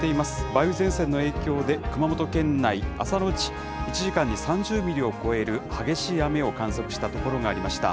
梅雨前線の影響で、熊本県内、朝のうち、１時間に３０ミリを超える激しい雨を観測した所がありました。